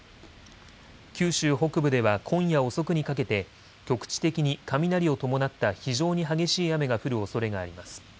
九州北部では今夜遅くにかけて局地的に雷を伴った非常に激しい雨が降るおそれがあります。